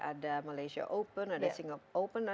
ada malaysia open ada singop open